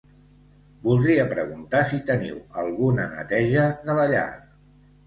Voldria preguntar si teniu alguna neteja de la llar.